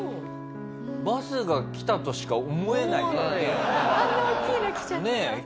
バスが来たとしか思えないからね。